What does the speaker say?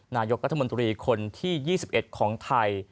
นายกรัฐมนตรีคนที่๒๑ของไทย